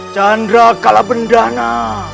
chandra kalah bendana